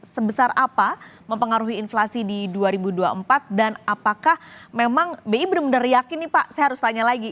sebesar apa mempengaruhi inflasi di dua ribu dua puluh empat dan apakah memang bi benar benar yakin nih pak saya harus tanya lagi